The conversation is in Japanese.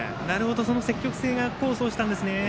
積極性が功を奏したんですね。